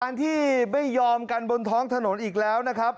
ที่ไม่ยอมกันบนท้องถนนอีกแล้วนะครับ